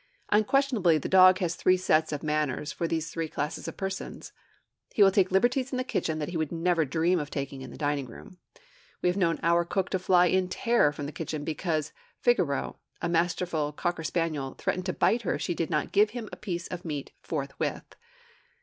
Unquestionably the dog has three sets of manners for these three classes of persons. He will take liberties in the kitchen that he would never dream of taking in the dining room. We have known our cook to fly in terror from the kitchen because Figaro, a masterful cocker spaniel, threatened to bite her if she did not give him a piece of meat forthwith.